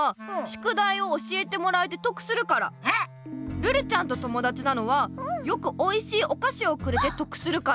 ルルちゃんと友だちなのはよくおいしいお菓子をくれて得するから。